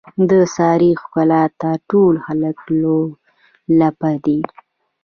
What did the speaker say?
د سارې ښکلاته ټول خلک لولپه دي.